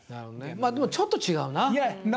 まあでも、ちょっと違うな。